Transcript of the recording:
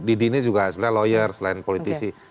didi ini juga sebenarnya lawyer selain politisi